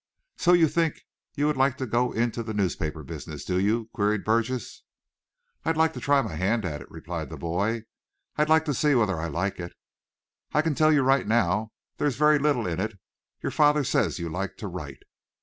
"So you think you would like to go into the newspaper business, do you?" queried Burgess. "I'd like to try my hand at it," replied the boy. "I'd like to see whether I like it." "I can tell you right now there's very little in it. Your father says you like to write."